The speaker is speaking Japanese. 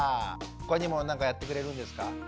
他にも何かやってくれるんですか？